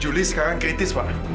juli sekarang kritis pak